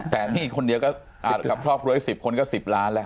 แต่นี่คนเดียวก็ครอบครวย๑๐คนก็๑๐ล้านแหละ